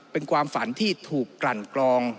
เป็นความฝันที่ถูกกลั่นกลอง